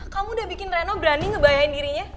kamu udah bikin reno berani ngebayain dirinya